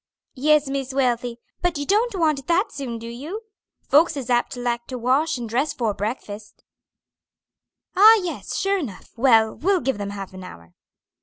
"Yes, Miss Wealthy; but you don't want it that soon, do you? Folks is apt to like to wash and dress 'fore breakfast." "Ah, yes! sure enough. Well, we'll give them half an hour."